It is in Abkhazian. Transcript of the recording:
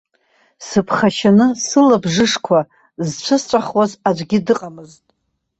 Сыԥхашьаны сылабжышқәа зцәысҵәахуаз аӡәгьы дыҟамызт.